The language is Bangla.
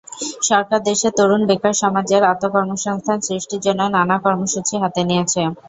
সরকার দেশের তরুণ বেকার সমাজের আত্মকর্মসংস্থান সৃষ্টির জন্য নানা কর্মসূচি হাতে নিয়েছে।